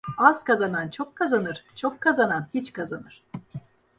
Az kazanan çok kazanır, çok kazanan hiç kazanır.